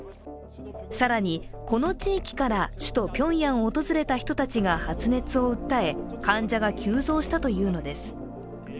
更にこの地域から首都ピョンヤンを訪れた人たちが発熱を訴え患者が急増したというのです。